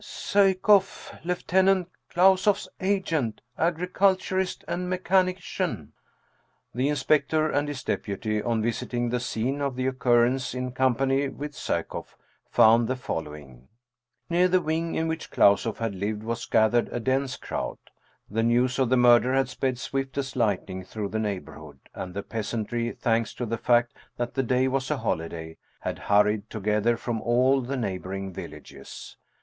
" Psyekoff, Lieutenant KlausofFs agent ; agriculturist and mechanician !" The inspector and his deputy, on visiting the scene of the occurrence in company with Psyekoff, found the fol lowing: Near the wing in which Klausoff had lived was gathered a dense crowd. The news of the murder had sped swift as lightning through the neighborhood, and the peasantry, thanks to the fact that the day was a holiday, had hurried together from all the neighboring villages.